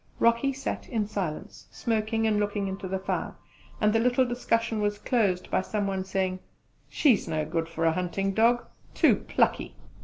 Rocky sat in silence, smoking and looking into the fire, and the little discussion was closed by some one saying, "She's no good for a hunting dog too plucky!"